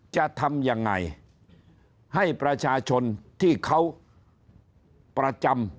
จะทำยังไงให้ประชาชนที่เขาประจำ